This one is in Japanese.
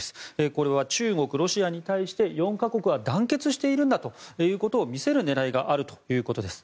これは中国、ロシアに対して４か国は団結しているんだということを見せる狙いがあるということです。